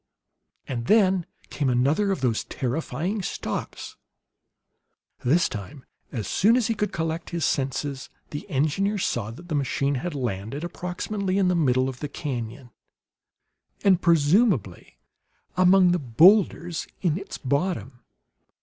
And then came another of those terrifying stops. This time, as soon as he could collect his senses, the engineer saw that the machine had landed approximately in the middle of the canon, and presumably among the boulders in its bottom.